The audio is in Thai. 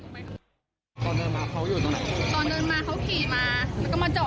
ตอนเดินมาเขาขี่มาแล้วก็มาเจาะตรงนี้แล้วหนูก็เดินมาประมาณเนี้ย